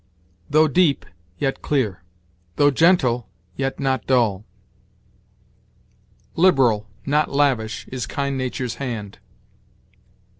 "Though deep, yet clear; though gentle, yet not dull." "Liberal, not lavish, is kind Nature's hand."